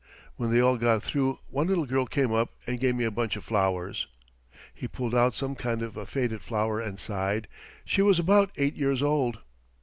When they all got through one little girl came up and gave me a bunch of flowers." He pulled out some kind of a faded flower and sighed. "She was about eight years old."